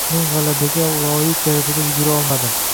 Men gʻalabaga loyiq darajada yugura olmadim